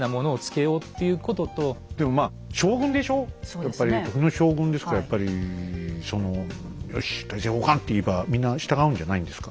やっぱり時の将軍ですからやっぱり「よし大政奉還！」って言えばみんな従うんじゃないんですか？